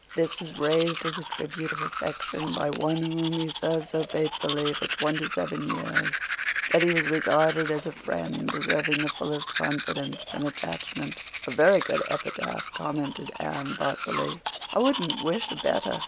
This is raised as a tribute of affection by one whom he served so faithfully for 27 years that he was regarded as a friend, deserving the fullest confidence and attachment.'" "A very good epitaph," commented Anne thoughtfully. "I wouldn't wish a better.